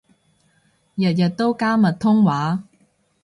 日日都加密通話